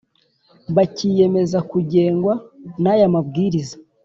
Bakiyemeza kugengwa n aya mabwiriza